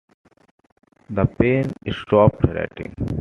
The pen stopped writing.